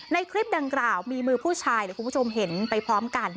ในคลิปดังกล่าวมีมือผู้ชายเดี๋ยวคุณผู้ชมเห็นไปพร้อมกัน